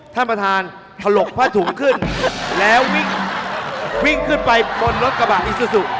ท่านประธานถลกผ้าถุงขึ้นแล้ววิ่งวิ่งขึ้นไปบนรถกระบะอิซูซู